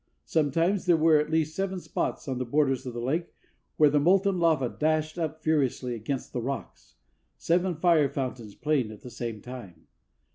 Sometimes there were at least seven spots on the borders of the lake where the molten lava dashed up furiously against the rocks seven fire fountains playing at the same time.